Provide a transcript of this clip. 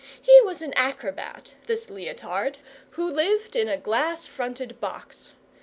He was an acrobat, this Leotard, who lived in a glass fronted box.